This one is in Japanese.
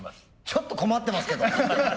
ちょっと困ってますけど。